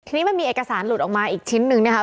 ทีนี้มันมีเอกสารหลุดออกมาอีกชิ้นหนึ่งนะครับ